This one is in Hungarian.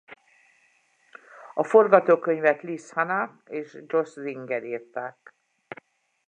A forgatókönyvet Liz Hannah és Josh Singer írták.